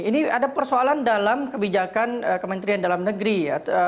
ini ada persoalan dalam kebijakan kementerian dalam negeri ya